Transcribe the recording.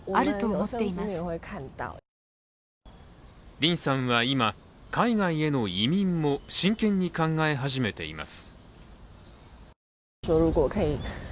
林さんは今、海外への移民も真剣に考え始めています。